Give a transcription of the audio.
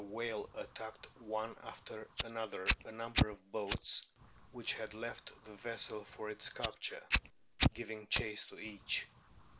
204 A BOOK OF WHALES attacked one after another a number of boats which had left the vessel for its capture, giving chase to each.